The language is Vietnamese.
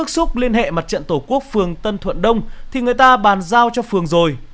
xúc liên hệ mặt trận tổ quốc phương tân thuận đông thì người ta bàn giao cho phương rồi